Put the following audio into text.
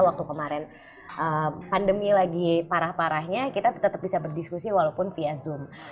waktu kemarin pandemi lagi parah parahnya kita tetap bisa berdiskusi walaupun via zoom